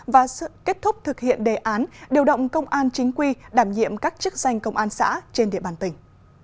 và kết thúc thực hiện đề án điều động công an chính quy đảm nhiệm các chức danh công an xã trên địa bàn tỉnh